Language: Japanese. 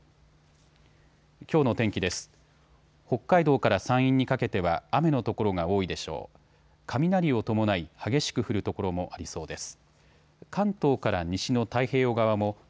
きょうの天気です。